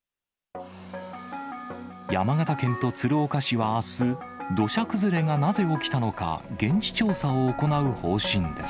山形県と鶴岡市はあす、土砂崩れがなぜ起きたのか、現地調査を行う方針です。